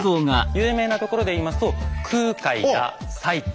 有名なところで言いますと空海や最澄。